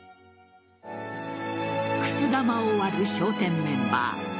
くす玉を割る「笑点」メンバー。